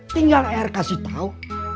tinggal saya kasih tau